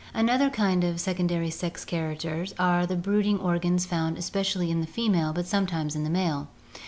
— Another kind of secondary sex characters are the brooding organs found especially in the female but sometimes in the male.